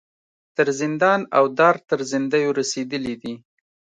تر زندان او دار تر زندیو رسېدلي دي.